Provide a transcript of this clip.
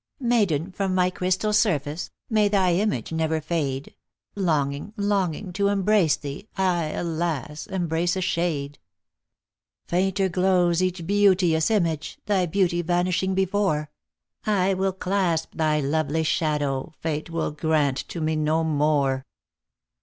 Maiden, from my crystal surface, 312 THE ACTRESS IN HIGH LIFE. May thy image never fade ; Longing, longing, to embrace thee, I, alas ! embrace a shade. Fainter glows each beauteous image, Thy beauty vanishing before ; I will clasp thy lovely shadow, Fate will grant to me no more.